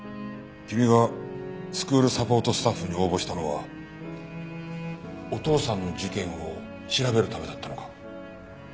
君がスクールサポートスタッフに応募したのはお父さんの事件を調べるためだったのか？